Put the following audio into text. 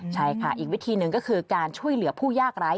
ใช่ค่ะอีกวิธีหนึ่งก็คือการช่วยเหลือผู้ยากร้าย